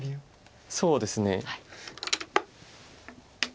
そうですね。